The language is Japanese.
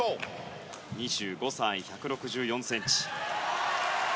２５歳、１６４ｃｍ。